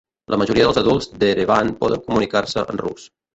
La majoria dels adults d'Erevan poden comunicar-se en rus.